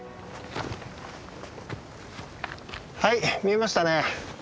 はい見えましたね。